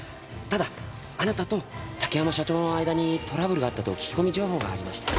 ただあなたと竹山社長の間にトラブルがあったと聞き込み情報がありまして。